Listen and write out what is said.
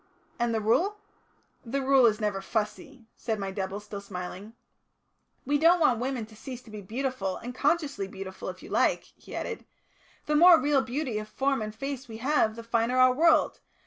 "And the Rule?" "The Rule is never fussy," said my double, still smiling. "We don't want women to cease to be beautiful, and consciously beautiful, if you like," he added. "The more real beauty of form and face we have, the finer our world.